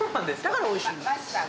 だからおいしいのよ。